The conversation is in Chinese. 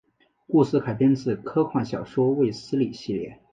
故事改编自科幻小说卫斯理系列。